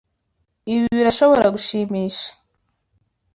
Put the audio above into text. Ibi birashobora gushimisha.